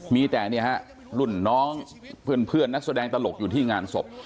มีแต่เนี่ยฮะรุ่นน้องเพื่อนเพื่อนนักแสดงตลกอยู่ที่งานศพ